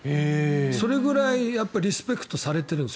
それぐらいリスペクトされてるんです